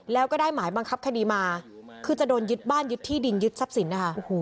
แล้วก็ได้หมายบังคับคดีมาคือจะโดนยึดบ้านยึดที่ดินยึดทรัพย์สินนะคะ